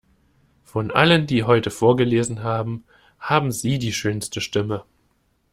Von allen, die heute vorgelesen haben, haben Sie die schönste Stimme.